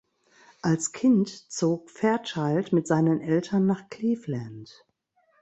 Als Kind zog Fairchild mit seinen Eltern nach Cleveland.